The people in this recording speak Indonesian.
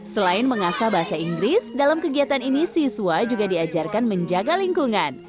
selain mengasah bahasa inggris dalam kegiatan ini siswa juga diajarkan menjaga lingkungan